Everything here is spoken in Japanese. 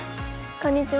こんにちは。